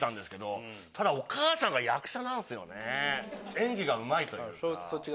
演技がうまいというか。